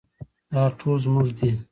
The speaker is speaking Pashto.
دا ټول زموږ دي